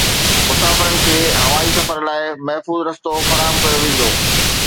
مسافرن کي هوائي سفر لاءِ محفوظ رستو فراهم ڪيو ويندو